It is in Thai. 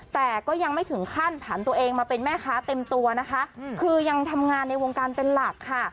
แต่ก็ยังไม่ถึงขั้นผ่านตัวเองมาเป็นแม่ค้าเต็มตัวนะคะคือยังทำงานในวงการเป็นหลักค่ะ